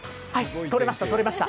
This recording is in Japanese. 撮れました、撮れました。